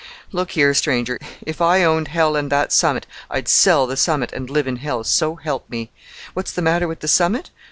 Look here, stranger, if I owned hell and that summit, I'd sell the summit and live in hell, so help me! What's the matter with the summit?